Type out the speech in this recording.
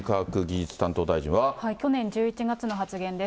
去年１１月の発言です。